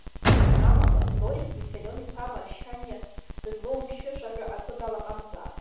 Амала, Лорик виссарион-иԥа Маршьаниа дызлоумшьышаҳәа акы далаҟамзаап…